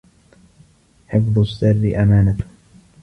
حفظ السر أمانة